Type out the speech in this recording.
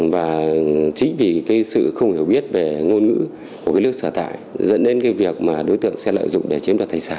và chính vì sự không hiểu biết về ngôn ngữ của nước sở tải dẫn đến việc đối tượng sẽ lợi dụng để chiếm được thay sản